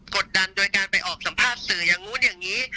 กดดันโดยการไปออกสัมภาษณ์สื่ออย่างนู้นอย่างนี้